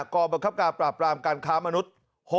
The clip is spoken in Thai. กองบังคับการปราบปรามการค้ามนุษย์